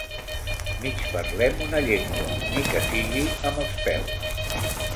Mig parlem una llengua, ni que sigui amb els peus.